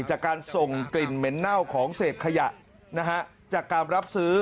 จากการส่งกลิ่นเหม็นเน่าของเศษขยะนะฮะจากการรับซื้อ